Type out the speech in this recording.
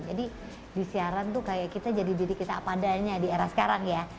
jadi di siaran tuh kayak kita jadi diri kita padanya di era sekarang ya